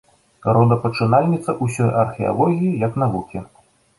Родапачынальніца ўсёй археалогіі як навукі.